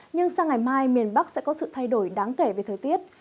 nhưng sang ngày mai miền bắc sẽ có sự thay đổi đáng kể về thời tiết